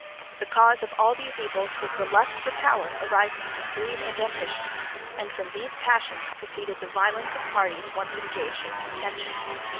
The cause of all these evils was the lust for power arising from greed and ambition; and from these passions proceeded the violence of parties once engaged in contention.